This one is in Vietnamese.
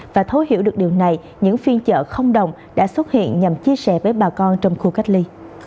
và thấu hiểu được điều này những phiên chợ không đồng đã xuất hiện nhằm chia sẻ với bà con trong khu cách ly